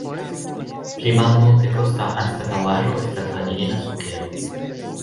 Pli malmultekosta anstataŭaĵo estas vanilina sukero.